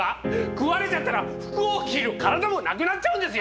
食われちゃったら服を着る体もなくなっちゃうんですよ！？